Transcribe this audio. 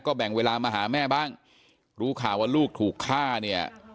แบ่งเวลามาหาแม่บ้างรู้ข่าวว่าลูกถูกฆ่าเนี่ย